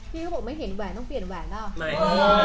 พี่ก็บอกไม่เห็นแหวนต้องเปลี่ยนแหวนแล้ว